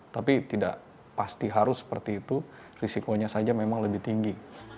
tapi tidak pasti harus seperti itu risikonya saja memang lebih tinggi